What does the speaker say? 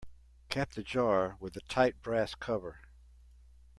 Cap the jar with a tight brass cover.